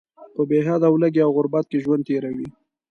په بې حده ولږې او غربت کې ژوند تیروي.